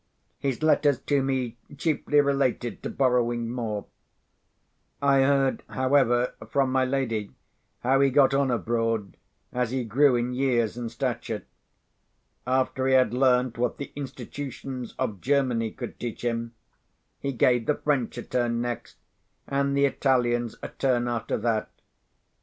His letters to me chiefly related to borrowing more. I heard, however, from my lady, how he got on abroad, as he grew in years and stature. After he had learnt what the institutions of Germany could teach him, he gave the French a turn next, and the Italians a turn after that.